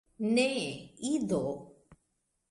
Ne, Ido!